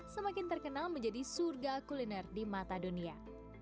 semakin terkenal menjadi surga kuliner di mata dunia